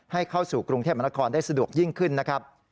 ให้เข้าสู่กรุงเทพมนครได้สะดวกยิ่งขึ้นนะครับ